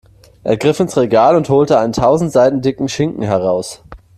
Er griff ins Regal und holte einen tausend Seiten dicken Schinken heraus.